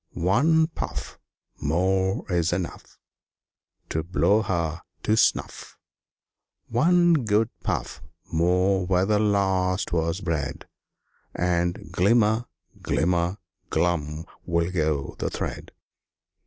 "One puff More's enough To blow her to snuff! One good puff more where the last was bred, And glimmer, glimmer, glum will go the thread!"